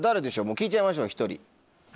もう聞いちゃいましょう１人。